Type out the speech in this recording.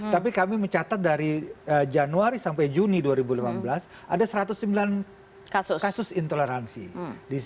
tapi kami mencatat dari januari sampai juni dua ribu lima belas ada satu ratus sembilan kasus intoleransi